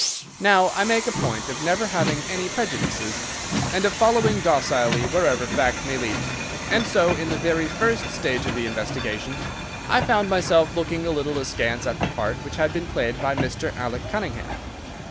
Now, I make a point of never having any prejudices, and of following docilely wherever fact may lead me, and so, in the very first stage of the investigation, I found myself looking a little askance at the part which had been played by Mr. Alec Cunningham.